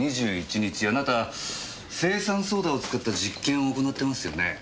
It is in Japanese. あなた青酸ソーダを使った実験を行ってますよね？